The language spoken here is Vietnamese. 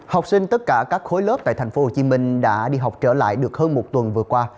học sinh tất cả các khối lớp tại thành phố hồ chí minh đã đi học trở lại được hơn một tuần vừa qua